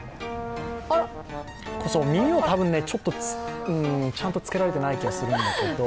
耳をたぶん、ちょっとちゃんと着けられていない気がするんだけど。